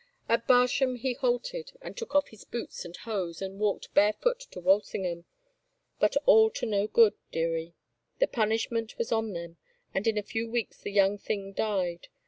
At Barsham he halted and took off his boots and hose and walked barefoot to Walsingham, but all to no good, dearie. The punish ment was on them and in a few weeks the young thing died.